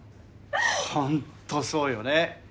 ホントそうよね。